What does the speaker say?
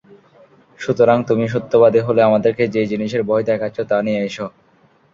সুতরাং তুমি সত্যবাদী হলে আমাদেরকে যে জিনিসের ভয় দেখাচ্ছ তা নিয়ে এসো!